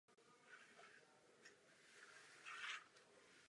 Toto zobrazení je inverzní k funkci alef.